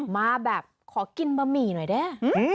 มาแบบขอกินบะหมี่หน่อยเด้